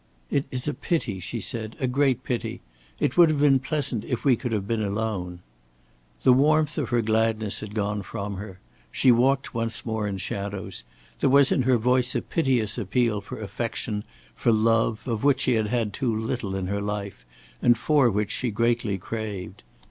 "It is a pity," she said, "a great pity. It would have been pleasant if we could have been alone." The warmth of her gladness had gone from her; she walked once more in shadows; there was in her voice a piteous appeal for affection, for love, of which she had had too little in her life and for which she greatly craved.